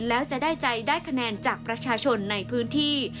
แล้วจะได้ใจได้คะแนนจากประชาชนในพื้นที่